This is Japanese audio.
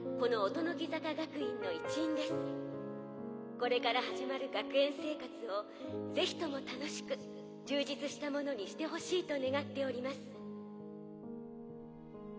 これから始まる学園生活を是非とも楽しく充実したものにしてほしいと願っております。